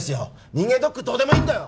人間ドックどうでもいいんだよ！